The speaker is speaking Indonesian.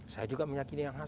saya juga meyakini yang